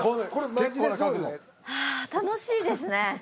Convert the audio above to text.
吉高：楽しいですね。